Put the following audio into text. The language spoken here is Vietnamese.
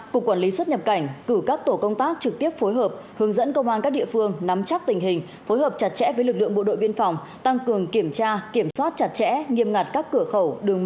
ba cục quản lý xuất nhập cảnh cử các tổ công tác trực tiếp phối hợp hướng dẫn công an các địa phương nắm chắc tình hình phối hợp chặt chẽ với lực lượng bộ đội biên phòng tăng cường kiểm tra kiểm soát chặt chẽ nghiêm ngặt các cửa khẩu đường mòn lối mở trên tuyến biên giới